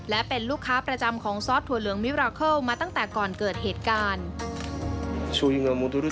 และเป็นลูกค้าประจำของซอสถั่วเหลืองมิราเคิลมาตั้งแต่ก่อนเกิดเหตุการณ์